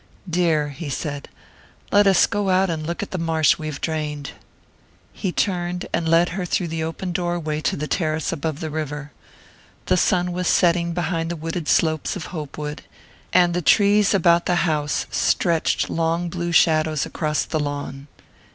"Dear," he said, "let us go out and look at the marsh we have drained." He turned and led her through the open doorway to the terrace above the river. The sun was setting behind the wooded slopes of Hopewood, and the trees about the house stretched long blue shadows across the lawn.